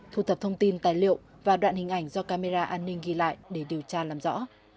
thu thập thông tin tài liệu và đoạn hình ảnh do camera an ninh ghi lại để điều tra làm rõ